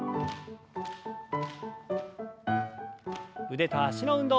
腕と脚の運動。